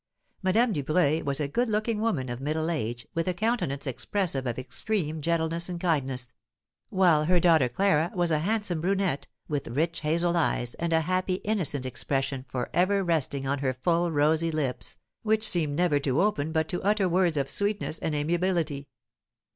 Madame Dubreuil was a good looking woman of middle age, with a countenance expressive of extreme gentleness and kindness; while her daughter Clara was a handsome brunette, with rich hazel eyes, and a happy, innocent expression for ever resting on her full, rosy lips, which seemed never to open but to utter words of sweetness and amiability.